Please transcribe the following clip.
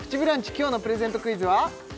今日のプレゼントクイズは？